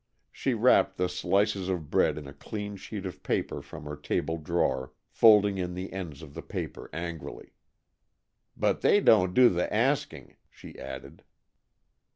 She wrapped the slices of bread in a clean sheet of paper from her table drawer, folding in the ends of the paper angrily. "But they don't do the asking," she added.